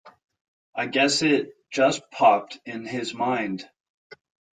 I guess it just popped in his mind.